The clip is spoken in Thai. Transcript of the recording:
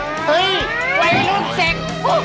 เฮ่ยไว้ลูกเสก